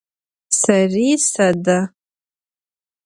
Seri sede.